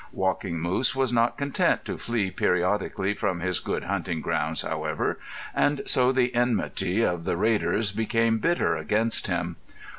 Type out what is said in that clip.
Walking Moose was not content to flee periodically from his good hunting grounds, however, and so the enmity of the raiders became bitter against him.